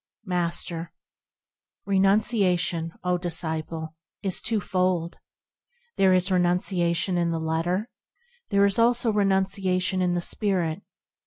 Master. Renunciation, O disciple ! is twofold; There is renunciation in the letter ; There is also renunciation in the spirit.